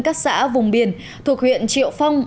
các xã vùng biển thuộc huyện triệu phong